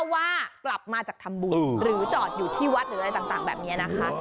ว่ากลับมาจากทำบุญหรือจอดอยู่ที่วัดหรืออะไรต่างแบบนี้นะคะ